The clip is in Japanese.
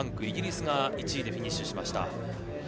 イギリスが１位でフィニッシュしました。